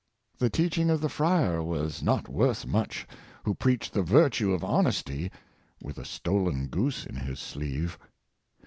The teaching of the friar was not worth much who preached the virtue of hon esty with a stolen goose in his sleeve.